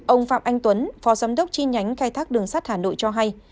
ông phạm anh tuấn phó giám đốc chi nhánh khai thác đường sắt hà nội cho hay